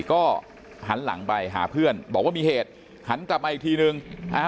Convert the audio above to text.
ก็หันหลังไปหาเพื่อนบอกว่ามีเหตุหันกลับมาอีกทีนึง